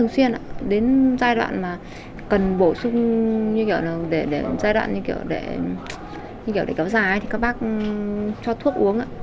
các bác cho thuốc uống